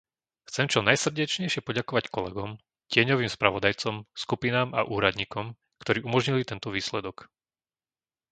Chcem čo najsrdečnejšie poďakovať kolegom, tieňovým spravodajcom, skupinám a úradníkom, ktorý umožnili tento výsledok.